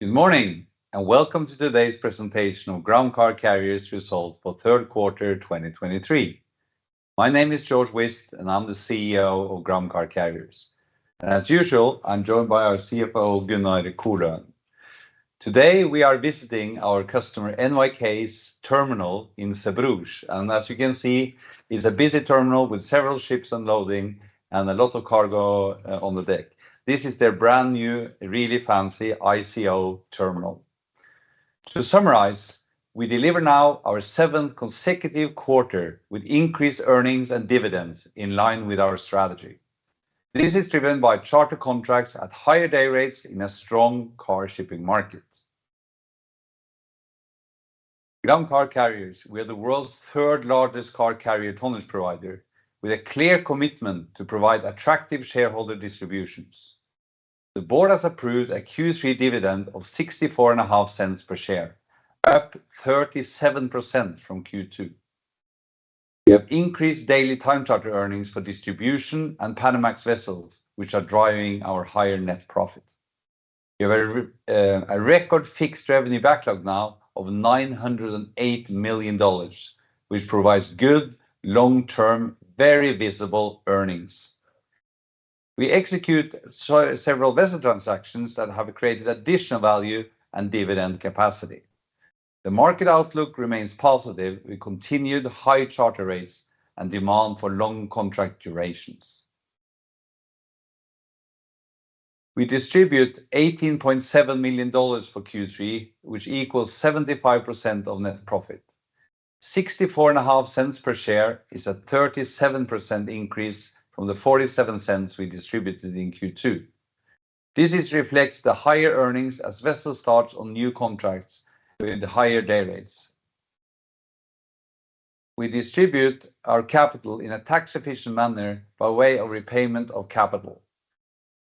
Good morning, and welcome to today's presentation of Gram Car Carriers Results for Third Quarter 2023. My name is Georg Whist, and I'm the CEO of Gram Car Carriers. As usual, I'm joined by our CFO, Gunnar Koløen. Today, we are visiting our customer, NYK's terminal in Zeebrugge, and as you can see, it's a busy terminal with several ships unloading and a lot of cargo on the deck. This is their brand-new, really fancy ICO terminal. To summarize, we deliver now our seventh consecutive quarter with increased earnings and dividends in line with our strategy. This is driven by charter contracts at higher day rates in a strong car shipping market. Gram Car Carriers, we are the world's third-largest car carrier tonnage provider, with a clear commitment to provide attractive shareholder distributions. The board has approved a Q3 dividend of $0.645 per share, up 37% from Q2. We have increased daily time charter earnings for distribution and Panamax vessels, which are driving our higher net profit. We have a record fixed revenue backlog now of $908 million, which provides good, long-term, very visible earnings. We execute several vessel transactions that have created additional value and dividend capacity. The market outlook remains positive with continued high charter rates and demand for long contract durations. We distribute $18.7 million for Q3, which equals 75% of net profit. $0.645 per share is a 37% increase from the $0.47 we distributed in Q2. This reflects the higher earnings as vessels start on new contracts with the higher day rates. We distribute our capital in a tax-efficient manner by way of repayment of capital.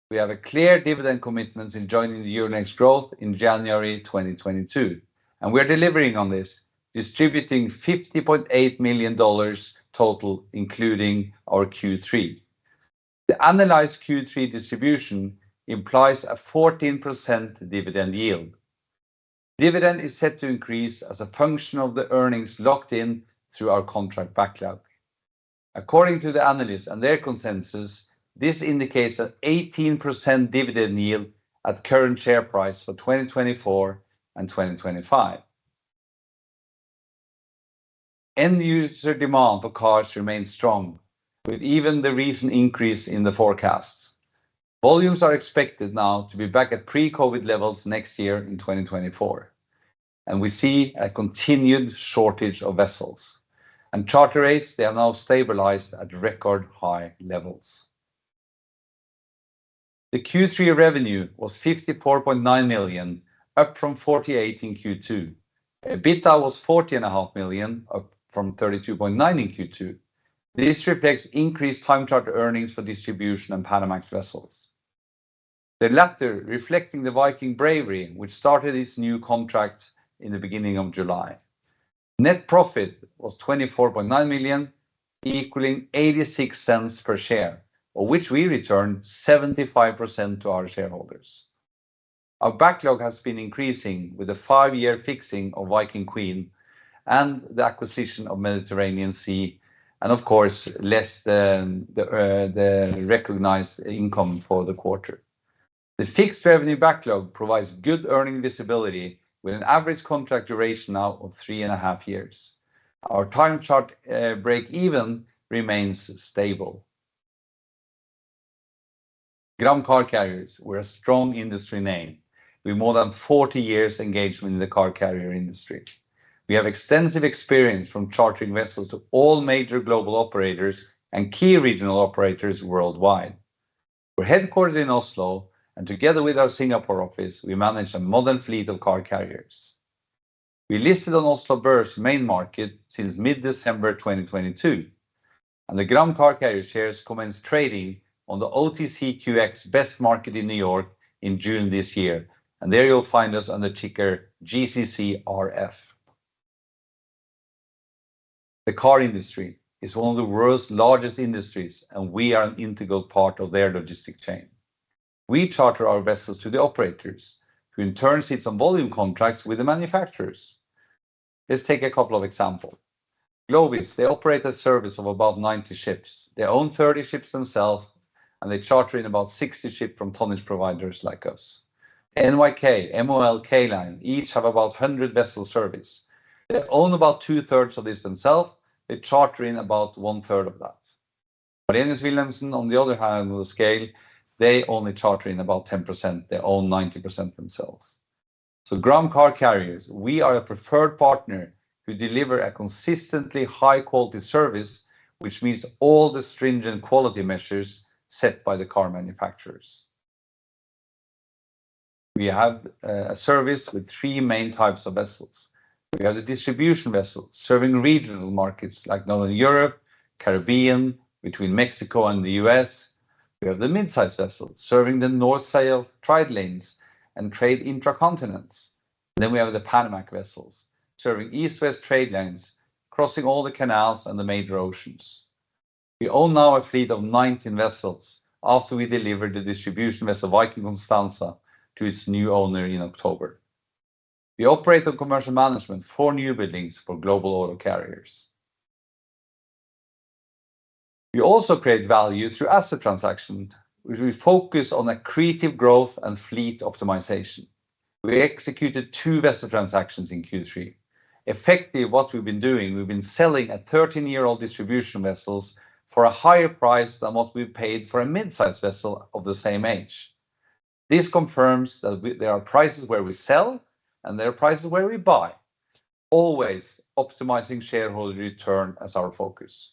We have a clear dividend commitment since joining the Euronext Growth in January 2022, and we are delivering on this, distributing $50.8 million total, including our Q3. The annualized Q3 distribution implies a 14% dividend yield. Dividend is set to increase as a function of the earnings locked in through our contract backlog. According to the analysts and their consensus, this indicates that 18% dividend yield at current share price for 2024 and 2025. End-user demand for cars remains strong, with even the recent increase in the forecast. Volumes are expected now to be back at pre-COVID levels next year in 2024, and we see a continued shortage of vessels. Charter rates, they are now stabilized at record high levels. The Q3 revenue was $54.9 million, up from $48 million in Q2. EBITDA was $40.5 million, up from $32.9 million in Q2. This reflects increased time charter earnings for distribution and Panamax vessels. The latter, reflecting the Viking Bravery, which started its new contract in the beginning of July. Net profit was $24.9 million, equaling $0.86 per share, of which we return 75% to our shareholders. Our backlog has been increasing with a 5-year fixing of Viking Queen and the acquisition of Mediterranean Sea, and of course, less than the, the recognized income for the quarter. The fixed revenue backlog provides good earning visibility, with an average contract duration now of 3.5 years. Our time charter, break even remains stable. Gram Car Carriers, we're a strong industry name. With more than 40 years engagement in the car carrier industry. We have extensive experience from chartering vessels to all major global operators and key regional operators worldwide. We're headquartered in Oslo, and together with our Singapore office, we manage a modern fleet of car carriers. We listed on Oslo Børs Main Market since mid-December 2022, and the Gram Car Carriers shares commenced trading on the OTCQX Best Market in New York in June this year, and there you'll find us on the ticker GCCRF. The car industry is one of the world's largest industries, and we are an integral part of their logistic chain. We charter our vessels to the operators, who in turn, sees some volume contracts with the manufacturers. Let's take a couple of example. Glovis, they operate a service of about 90 ships. They own 30 ships themselves, and they charter in about 60 ships from tonnage providers like us. NYK, MOL, K Line, each have about a 100 vessel service. They own about 2/3 of this themselves. They charter in about 1/3 of that. Wilhelmsen, on the other hand, on the scale, they only charter in about 10%. They own 90% themselves. So, Gram Car Carriers, we are a preferred partner who deliver a consistently high quality service, which meets all the stringent quality measures set by the car manufacturers. We have a service with three main types of vessels. We have the distribution vessels, serving regional markets like Northern Europe, Caribbean, between Mexico and the U.S. We have the mid-size vessels, serving the North-South trade lanes and trade intra-continents. Then we have the Panamax vessels, serving East-West trade lanes, crossing all the canals and the major oceans. We own now a fleet of 19 vessels after we delivered the distribution vessel Viking Constanza to its new owner in October. We operate on commercial management four new buildings for Global Auto Carriers. We also create value through asset transaction, which we focus on accretive growth and fleet optimization. We executed two vessel transactions in Q3. Effectively, what we've been doing, we've been selling a 13-year-old distribution vessels for a higher price than what we paid for a mid-size vessel of the same age. This confirms that we, there are prices where we sell and there are prices where we buy, always optimizing shareholder return as our focus.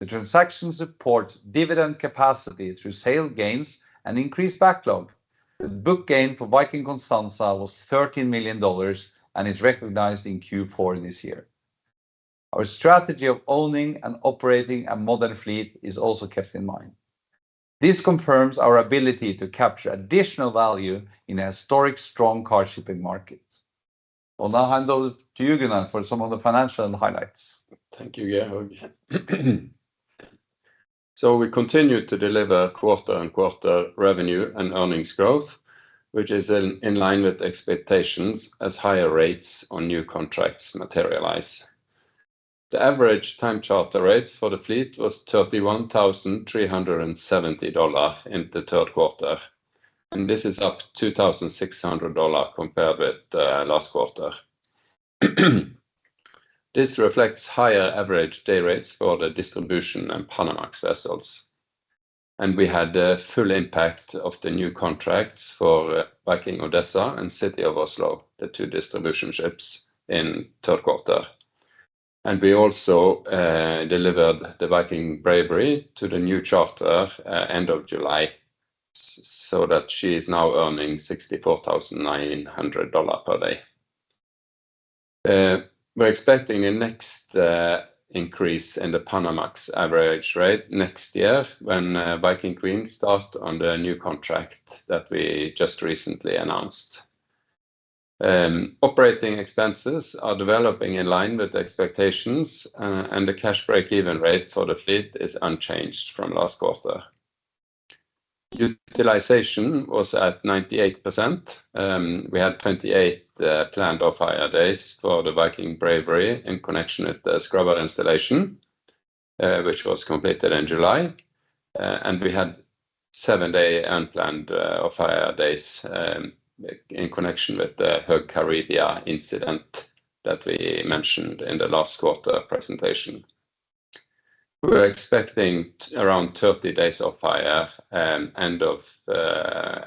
The transaction supports dividend capacity through sale gains and increased backlog. The book gain for Viking Constanza was $13 million and is recognized in Q4 this year. Our strategy of owning and operating a modern fleet is also kept in mind. This confirms our ability to capture additional value in a historic strong car shipping market. I'll now hand over to you, Gunnar, for some of the financial highlights. Thank you, Georg. So, we continue to deliver quarter-on-quarter revenue and earnings growth, which is in line with expectations as higher rates on new contracts materialize. The average time charter rate for the fleet was $31,370 in the third quarter, and this is up $2,600 compared with the last quarter. This reflects higher average day rates for the distribution and Panamax vessels. And we had the full impact of the new contracts for Viking Odessa and City of Oslo, the two distribution ships in third quarter. And we also delivered the Viking Bravery to the new charter end of July, so that she is now earning $64,900 per day. We're expecting the next increase in the Panamax average rate next year when Viking Queen start on the new contract that we just recently announced. Operating expenses are developing in line with expectations, and the cash break-even rate for the fleet is unchanged from last quarter. Utilization was at 98%. We had 28 planned off-hire days for the Viking Bravery in connection with the scrubber installation, which was completed in July. We had 7-day unplanned off-hire days in connection with the [Hurricane Caribia] incident that we mentioned in the last quarter presentation. We're expecting around 30 days off-hire end of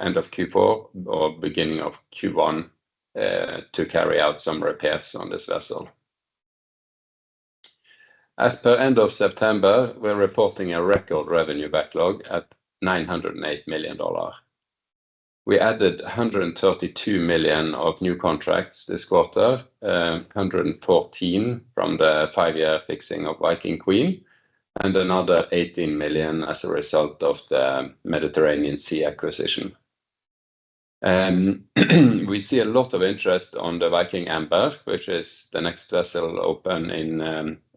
end of Q4 or beginning of Q1 to carry out some repairs on this vessel. As per end of September, we're reporting a record revenue backlog at $908 million. We added $132 million of new contracts this quarter, $114 million from the 5-year fixing of Viking Queen, and another $18 million as a result of the Mediterranean Sea acquisition. We see a lot of interest on the Viking Amber, which is the next vessel open in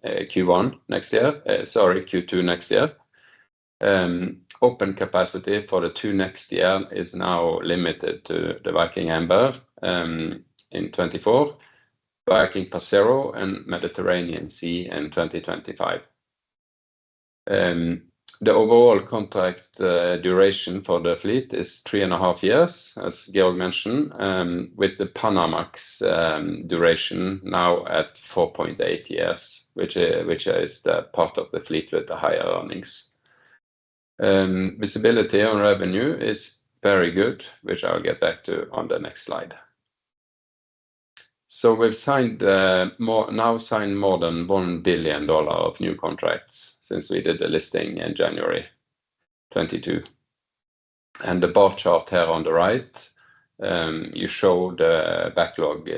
Q1 next year, sorry, Q2 next year. Open capacity for 2024 next year is now limited to the Viking Amber in 2024, Viking Passero and Mediterranean Sea in 2025. The overall contract duration for the fleet is 3.5 years, as Georg mentioned, with the Panamax duration now at 4.8 years, which is the part of the fleet with the higher earnings. Visibility on revenue is very good, which I'll get back to on the next slide. So, we've now signed more than $1 billion of new contracts since we did the listing in January 2022. The bar chart here on the right shows the backlog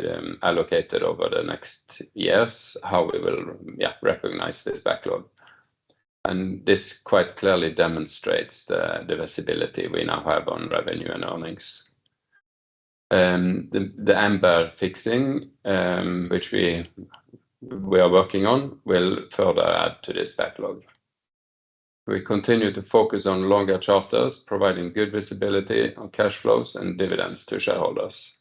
allocated over the next years, how we will recognize this backlog. And this quite clearly demonstrates the visibility we now have on revenue and earnings. The Amber fixing, which we are working on, will further add to this backlog. We continue to focus on longer charters, providing good visibility on cash flows and dividends to shareholders.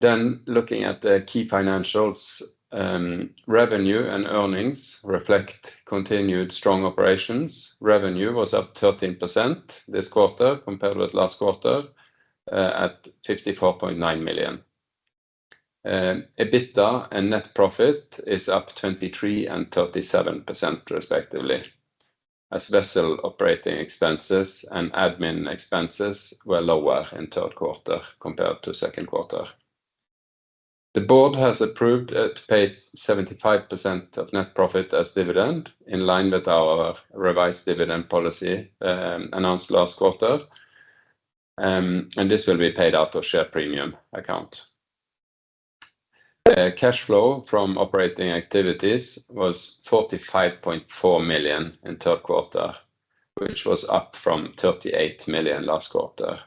Then looking at the key financials, revenue and earnings reflect continued strong operations. Revenue was up 13% this quarter compared with last quarter, at $54.9 million. EBITDA and net profit is up 23% and 37% respectively, as vessel operating expenses and admin expenses were lower in third quarter compared to second quarter. The board has approved it paid 75% of net profit as dividend, in line with our revised dividend policy, announced last quarter. And this will be paid out of share premium account. Cash flow from operating activities was $45.4 million in third quarter, which was up from $38 million last quarter.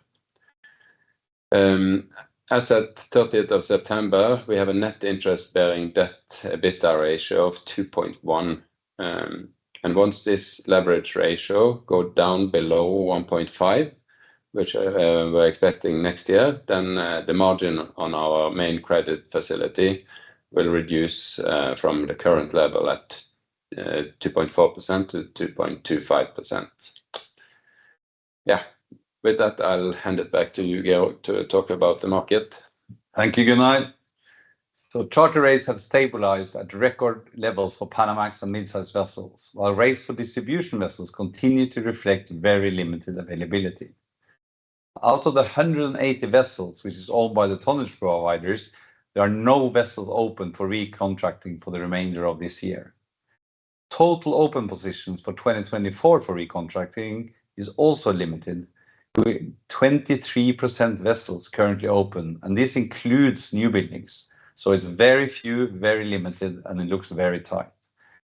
As at 30th of September, we have a net interest-bearing debt EBITDA ratio of 2.1. And once this leverage ratio go down below 1.5, which we're expecting next year, then the margin on our main credit facility will reduce from the current level at 2.4%-2.25%. With that, I'll hand it back to you, Georg, to talk about the market. Thank you, Gunnar. So, charter rates have stabilized at record levels for Panamax and mid-size vessels, while rates for distribution vessels continue to reflect very limited availability. Out of the 180 vessels, which is owned by the tonnage providers, there are no vessels open for recontracting for the remainder of this year. Total open positions for 2024 for recontracting is also limited to 23% vessels currently open, and this includes new buildings. So, it's very few, very limited, and it looks very tight.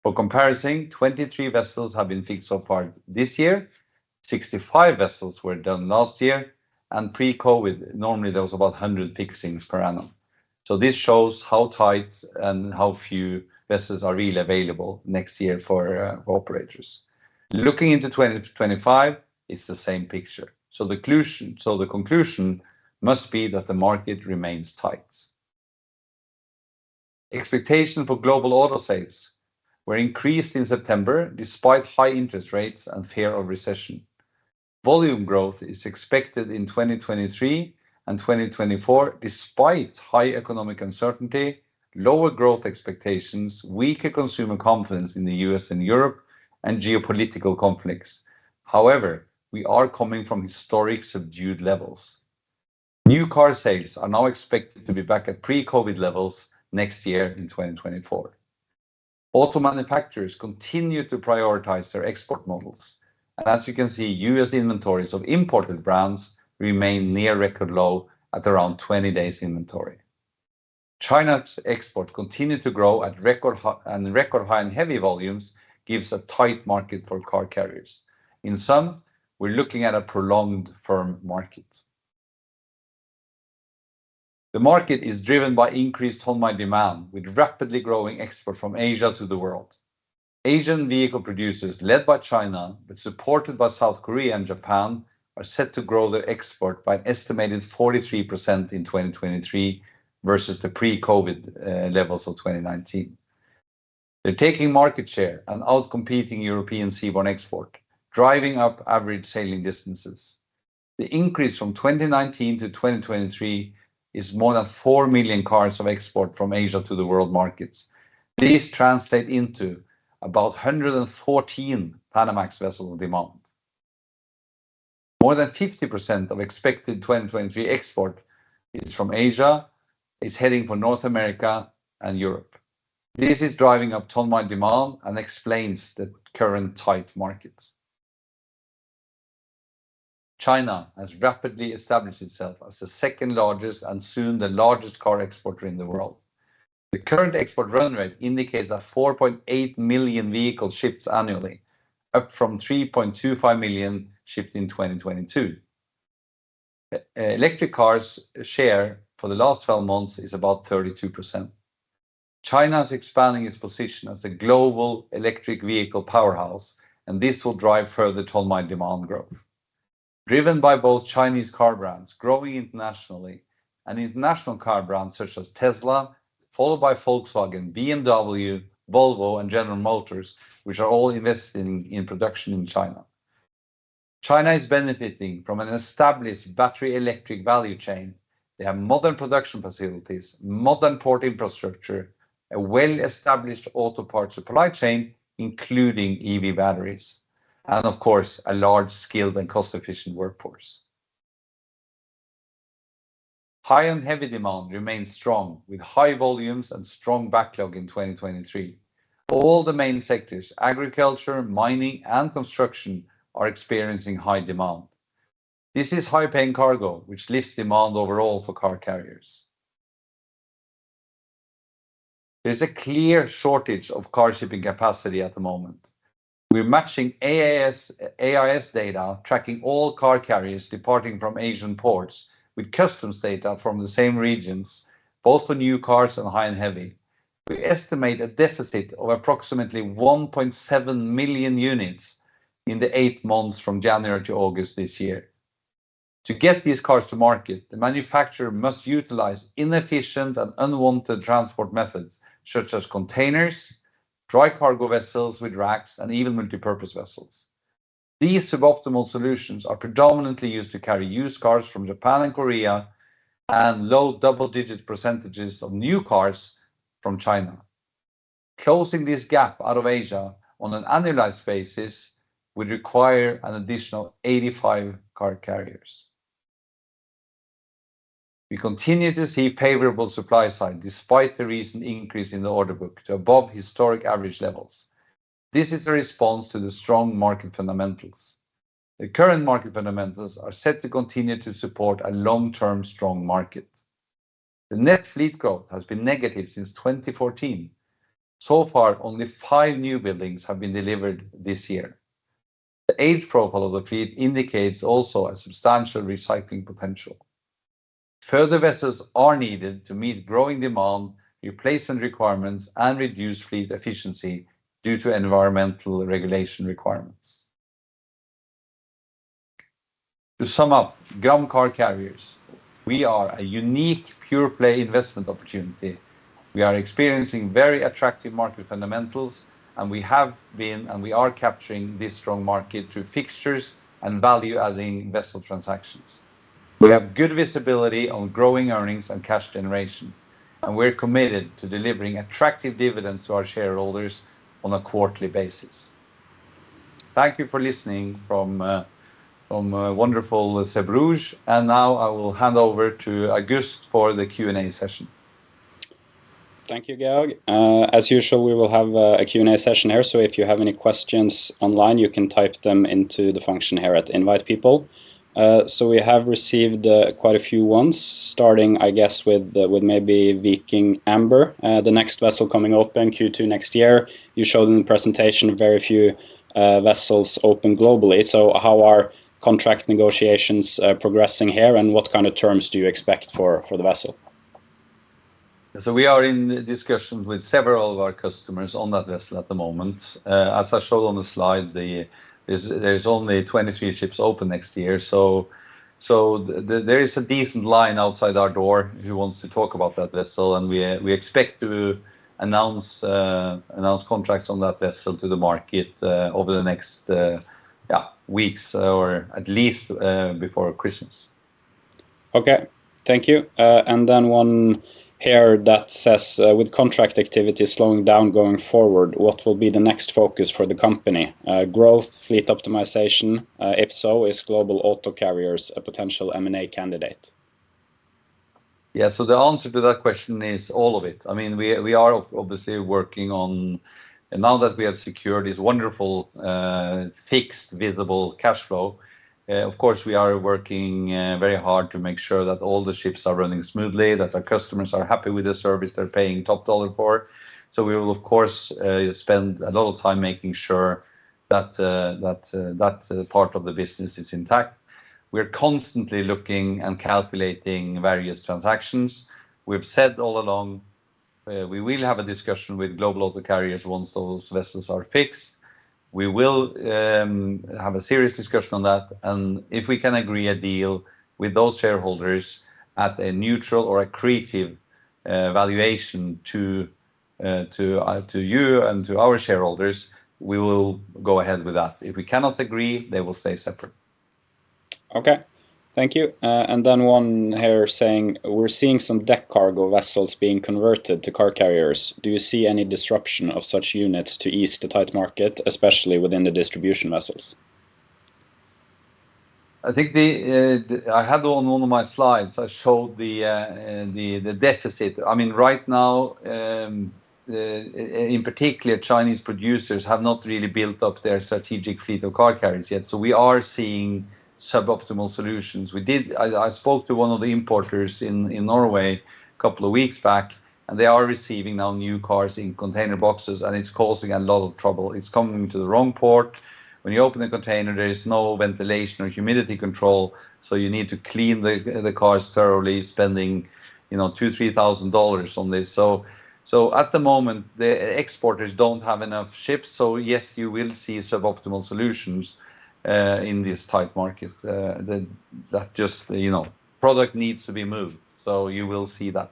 For comparison, 23 vessels have been fixed so far this year, 65 vessels were done last year, and pre-COVID, normally, there was about a 100 fixings per annum. So, this shows how tight and how few vessels are really available next year for operators. Looking into 2025, it's the same picture. So the conclusion must be that the market remains tight. Expectations for global auto sales were increased in September, despite high interest rates and fear of recession. Volume growth is expected in 2023 and 2024, despite high economic uncertainty, lower growth expectations, weaker consumer confidence in the U.S. and Europe, and geopolitical conflicts. However, we are coming from historic subdued levels. New car sales are now expected to be back at pre-COVID levels next year in 2024. Auto manufacturers continue to prioritize their export models. And as you can see, U.S. inventories of imported brands remain near record low at around 20 days inventory. China's exports continue to grow at record high and heavy volumes, gives a tight market for car carriers. In sum, we're looking at a prolonged firm market. The market is driven by increased ton-mile demand, with rapidly growing export from Asia to the world. Asian vehicle producers, led by China, but supported by South Korea and Japan, are set to grow their export by an estimated 43% in 2023 versus the pre-COVID levels of 2019. They're taking market share and outcompeting European seaborne export, driving up average sailing distances. The increase from 2019 to 2023 is more than four million cars of export from Asia to the world markets. This translate into about 114 Panamax vessel demand. More than 50% of expected 2023 export is from Asia, is heading for North America and Europe. This is driving up ton-mile demand and explains the current tight market. China has rapidly established itself as the second largest, and soon the largest car exporter in the world. The current export run rate indicates 4.8 million vehicles shipped annually, up from 3.25 million shipped in 2022. Electric cars share for the last 12 months is about 32%. China is expanding its position as the global electric vehicle powerhouse, and this will drive further ton-mile demand growth. Driven by both Chinese car brands growing internationally and international car brands such as Tesla, followed by Volkswagen, BMW, Volvo, and General Motors, which are all investing in production in China. China is benefiting from an established battery electric value chain. They have modern production facilities, modern port infrastructure, a well-established auto parts supply chain, including EV batteries, and of course, a large skilled and cost-efficient workforce. High and Heavy demand remains strong, with high volumes and strong backlog in 2023. All the main sectors, agriculture, mining, and construction, are experiencing high demand. This is high-paying cargo, which lifts demand overall for car carriers. There is a clear shortage of car shipping capacity at the moment. We're matching AIS, AIS data, tracking all car carriers departing from Asian ports with customs data from the same regions, both for new cars and high and heavy. We estimate a deficit of approximately 1.7 million units in the eight months from January to August this year. To get these cars to market, the manufacturer must utilize inefficient and unwanted transport methods, such as containers, dry cargo vessels with racks, and even multipurpose vessels. These suboptimal solutions are predominantly used to carry used cars from Japan and Korea, and low double-digit % of new cars from China. Closing this gap out of Asia on an annualized basis would require an additional 85 car carriers. We continue to see favorable supply side, despite the recent increase in the order book to above historic average levels. This is a response to the strong market fundamentals. The current market fundamentals are set to continue to support a long-term, strong market. The net fleet growth has been negative since 2014. So far, only five newbuildings have been delivered this year. The age profile of the fleet indicates also a substantial recycling potential. Further vessels are needed to meet growing demand, replacement requirements, and reduce fleet efficiency due to environmental regulation requirements. To sum up, Gram Car Carriers, we are a unique pure-play investment opportunity. We are experiencing very attractive market fundamentals, and we have been, and we are capturing this strong market through fixtures and value-adding vessel transactions. We have good visibility on growing earnings and cash generation, and we're committed to delivering attractive dividends to our shareholders on a quarterly basis. Thank you for listening from wonderful Zeebrugge, and now I will hand over to August for the Q&A session. Thank you, Georg. As usual, we will have a Q&A session here, so if you have any questions online, you can type them into the function here at Invite People. So we have received quite a few ones, starting, I guess, with maybe Viking Amber, the next vessel coming open Q2 next year. You showed in the presentation very few vessels open globally, so how are contract negotiations progressing here, and what kind of terms do you expect for the vessel? So we are in discussions with several of our customers on that vessel at the moment. As I showed on the slide, there's only 23 ships open next year, so there is a decent line outside our door who wants to talk about that vessel, and we expect to announce contracts on that vessel to the market over the next weeks or at least before Christmas. Okay, thank you. And then one here that says, "With contract activity slowing down going forward, what will be the next focus for the company? Growth, fleet optimization? If so, is Global Auto Carriers a potential M&A candidate? Yeah, so the answer to that question is all of it. I mean, we are obviously working on. And now that we have secured this wonderful, fixed, visible cash flow, of course, we are working very hard to make sure that all the ships are running smoothly, that our customers are happy with the service they're paying top dollar for. So, we will, of course, spend a lot of time making sure that that part of the business is intact. We're constantly looking and calculating various transactions. We've said all along, we will have a discussion with Global Auto Carriers once those vessels are fixed. We will have a serious discussion on that, and if we can agree a deal with those shareholders at a neutral or accretive valuation to you and to our shareholders, we will go ahead with that. If we cannot agree, they will stay separate. Okay, thank you. And then one here saying, "We're seeing some deck cargo vessels being converted to car carriers. Do you see any disruption of such units to ease the tight market, especially within the distribution vessels? I think, I had on one of my slides, I showed the deficit. I mean, right now, in particular, Chinese producers have not really built up their strategic fleet of car carriers yet, so we are seeing suboptimal solutions. I spoke to one of the importers in Norway a couple of weeks back, and they are receiving now new cars in container boxes, and it's causing a lot of trouble. It's coming to the wrong port. When you open the container, there is no ventilation or humidity control, so you need to clean the cars thoroughly, spending, you know, $2,000-$3,000 on this. So, at the moment, the exporters don't have enough ships, so yes, you will see suboptimal solutions in this tight market. That just, you know, product needs to be moved, so you will see that.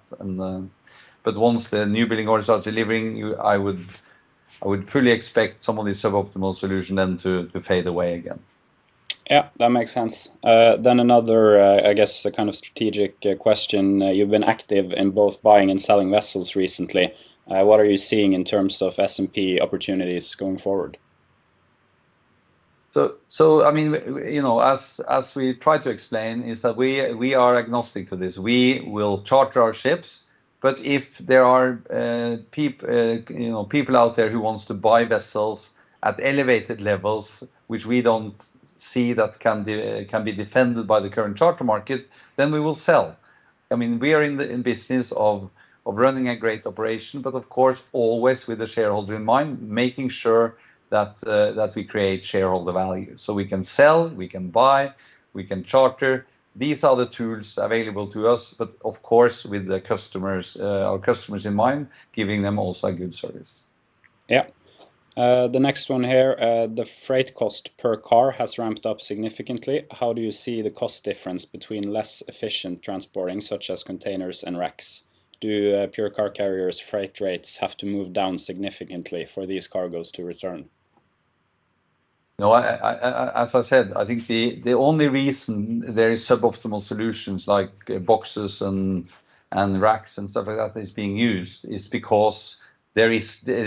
But once the newbuilding orders are delivering, I would fully expect some of these suboptimal solutions then to fade away again. Yeah, that makes sense. Then another, I guess, a kind of strategic question. "You've been active in both buying and selling vessels recently. What are you seeing in terms of S&P opportunities going forward? So, I mean, you know, as we tried to explain, is that we are agnostic to this. We will charter our ships, but if there are people out there who wants to buy vessels at elevated levels, which we don't see that can be defended by the current charter market, then we will sell. I mean, we are in the business of running a great operation, but of course, always with the shareholder in mind, making sure that we create shareholder value. So, we can sell, we can buy, we can charter. These are the tools available to us, but of course, with the customers, our customers in mind, giving them also a good service. Yeah. The next one here, "The freight cost per car has ramped up significantly. How do you see the cost difference between less efficient transporting, such as containers and racks? Do pure car carriers' freight rates have to move down significantly for these cargoes to return? No, as I said, I think the only reason there is suboptimal solutions like boxes and racks and stuff like that is being used is because there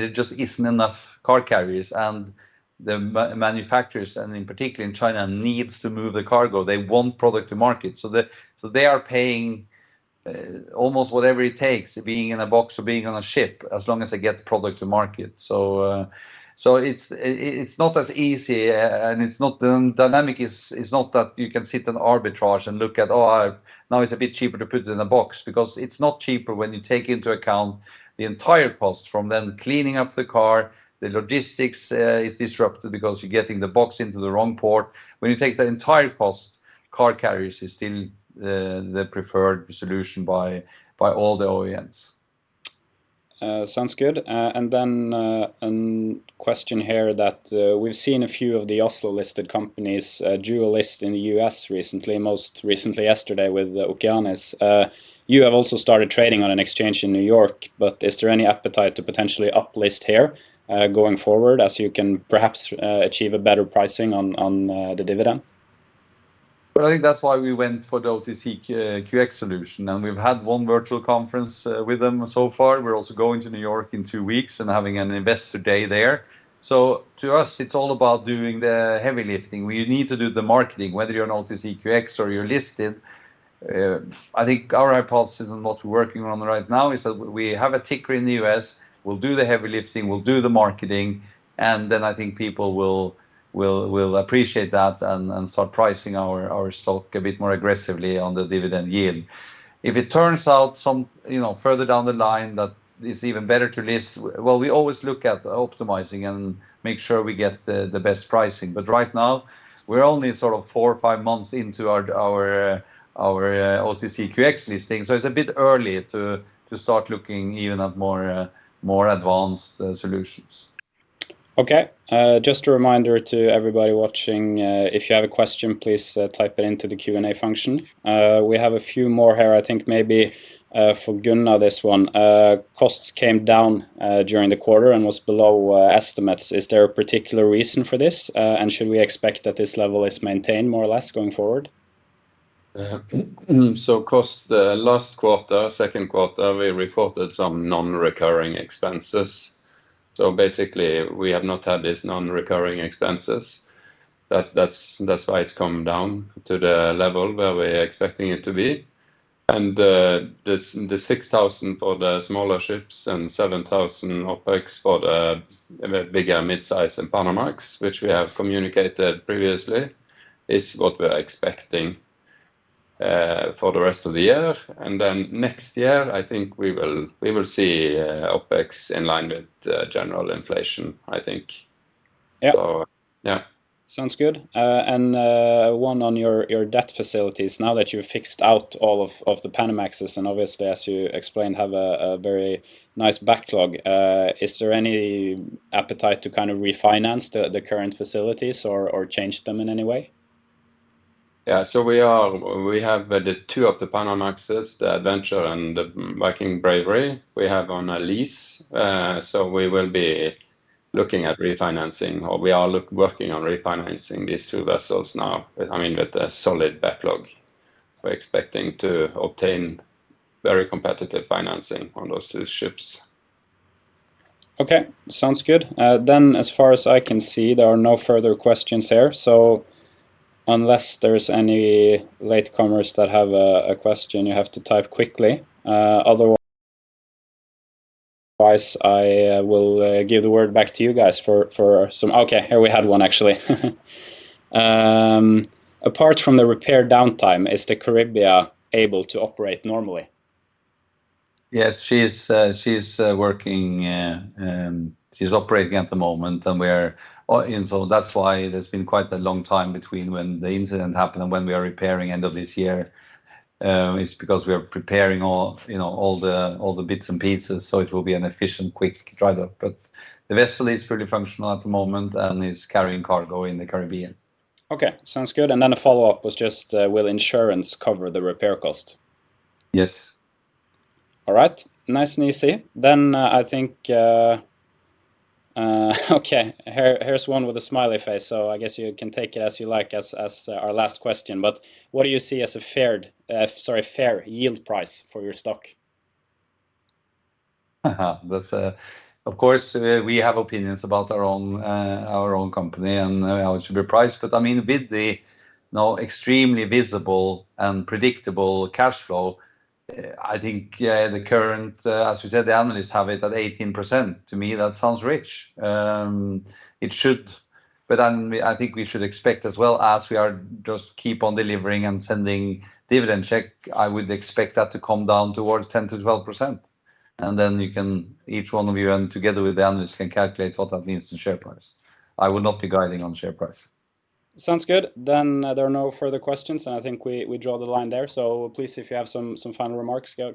just isn't enough car carriers, and the manufacturers, and in particular in China, needs to move the cargo. They want product to market. So, they are paying almost whatever it takes, being in a box or being on a ship, as long as I get the product to market. So, it's not as easy, and it's not. The dynamic is not that you can sit and arbitrage and look at, oh, now it's a bit cheaper to put it in a box, because it's not cheaper when you take into account the entire cost from then cleaning up the car, the logistics is disrupted because you're getting the box into the wrong port. When you take the entire cost, car carriers is still the preferred solution by all the OEMs. Sounds good. And then, a question here that we've seen a few of the Oslo-listed companies do a listing in the U.S. recently, most recently yesterday with the Okeanis. You have also started trading on an exchange in New York, but is there any appetite to potentially uplist here, going forward, as you can perhaps achieve a better pricing on the dividend? Well, I think that's why we went for the OTCQX solution, and we've had one virtual conference with them so far. We're also going to New York in two weeks and having an investor day there. So to us, it's all about doing the heavy lifting. We need to do the marketing, whether you're an OTCQX or you're listed. I think our impulses and what we're working on right now is that we have a ticker in the U.S. We'll do the heavy lifting, we'll do the marketing, and then I think people will appreciate that and start pricing our stock a bit more aggressively on the dividend yield. If it turns out some, you know, further down the line that it's even better to list, well, we always look at optimizing and make sure we get the best pricing. But right now, we're only sort of four or five months into our OTCQX listing, so it's a bit early to start looking even at more advanced solutions. Okay. Just a reminder to everybody watching, if you have a question, please, type it into the Q&A function. We have a few more here, I think maybe, for Gunnar, this one. Costs came down during the quarter and was below estimates. Is there a particular reason for this? And should we expect that this level is maintained more or less going forward? So cost, in the last quarter, second quarter, we reported some non-recurring expenses. So basically, we have not had these non-recurring expenses. That's why it's come down to the level where we're expecting it to be. And the $6,000 for the smaller ships and $7,000 OPEX for the bigger mid-size and Panamax, which we have communicated previously, is what we're expecting for the rest of the year. And then next year, I think we will see OPEX in line with the general inflation, I think. Yeah. So, yeah. Sounds good. One on your debt facilities. Now that you've fixed out all of the Panamax, and obviously, as you explained, have a very nice backlog, is there any appetite to kind of refinance the current facilities or change them in any way? Yeah, so we have the two of the Panamax, the Adventure and the Viking Bravery, we have on a lease. So we will be looking at refinancing, or we are working on refinancing these two vessels now, I mean, with a solid backlog. We're expecting to obtain very competitive financing on those two ships. Okay, sounds good. Then as far as I can see, there are no further questions here. So unless there is any latecomers that have a question, you have to type quickly. Otherwise, I will give the word back to you guys. Okay, here we had one actually. Apart from the repair downtime, is the Caribia able to operate normally? Yes, she is working, she's operating at the moment, and we are, and so that's why there's been quite a long time between when the incident happened and when we are repairing end of this year. It's because we are preparing all, you know, all the bits and pieces, so it will be an efficient, quick dry dock. But the vessel is fully functional at the moment and is carrying cargo in the Caribbean. Okay, sounds good. And then a follow-up was just, will insurance cover the repair cost? Yes. All right. Nice and easy. Then, I think, okay, here, here's one with a smiley face, so I guess you can take it as you like, as our last question. But what do you see as a fair yield price for your stock? That's, of course, we have opinions about our own our own company and how it should be priced, but, I mean, with the now extremely visible and predictable cash flow, I think the current, as you said, the analysts have it at 18%. To me, that sounds rich. It should, but then I think we should expect as well as, we are just keep on delivering and sending dividend check, I would expect that to come down towards 10%-12%. And then you can, each one of you, and together with the analysts, can calculate what that means to share price. I will not be guiding on share price. Sounds good. Then there are no further questions, and I think we draw the line there. So please, if you have some final remarks, go.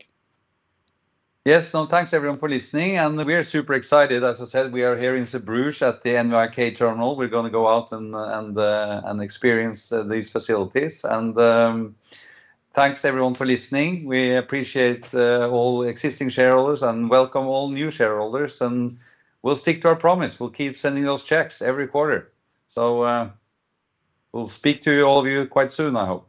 Yes. So, thanks, everyone, for listening, and we are super excited. As I said, we are here in Zeebrugge at the NYK terminal. We're going to go out and experience these facilities. And, thanks, everyone, for listening. We appreciate all existing shareholders, and welcome all new shareholders, and we'll stick to our promise. We'll keep sending those checks every quarter. So, we'll speak to all of you quite soon, I hope.